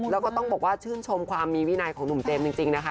แล้วก็ต้องบอกว่าชื่นชมความมีวินัยของหนุ่มเจมส์จริงนะคะ